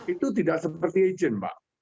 itu tidak seperti izin pak